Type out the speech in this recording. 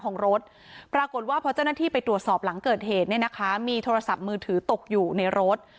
ของรถปรากฏว่าพอเจ้าหน้าที่ไปตรวจสอบหลังเกิดเหตุเนี่ยนะคะมีโทรศัพท์มือถือตกอยู่ในรถ